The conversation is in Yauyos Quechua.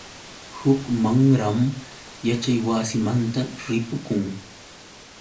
Huk mamram yaćhaywasimanta ripukun.